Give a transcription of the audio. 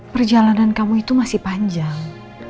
perjalanan kamu itu masih panjang